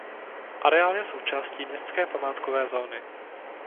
Areál je součástí městské památkové zóny.